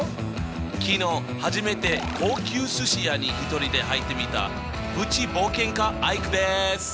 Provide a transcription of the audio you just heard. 昨日初めて高級すし屋に一人で入ってみたプチ冒険家アイクです！